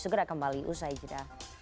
segera kembali usai jeda